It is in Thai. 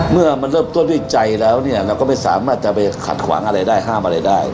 เมื่อมันเริ่มต้นด้วยใจแล้วเนี่ยเราก็ไม่สามารถจะไปขัดขวางอะไรได้ห้ามอะไรได้